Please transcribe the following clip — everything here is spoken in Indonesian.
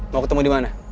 mau ketemu dimana